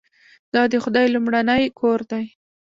دا د خدای لومړنی کور دی.